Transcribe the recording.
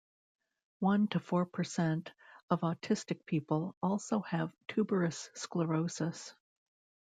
One to four percent of autistic people also have tuberous sclerosis.